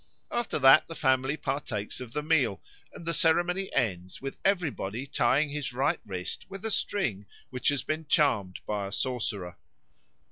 After that the family partakes of the meal, and the ceremony ends with everybody tying their right wrist with a string which has been charmed by a sorcerer.